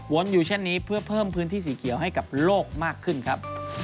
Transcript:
อยู่เช่นนี้เพื่อเพิ่มพื้นที่สีเขียวให้กับโลกมากขึ้นครับ